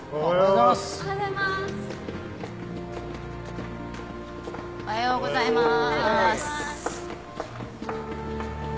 おはようございます。